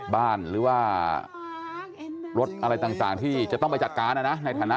หรือว่ารถอะไรต่างที่จะต้องไปจัดการนะในฐานะ